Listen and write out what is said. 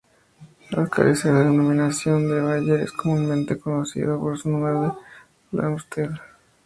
Al carecer de denominación de Bayer, es comúnmente conocida por su número de Flamsteed.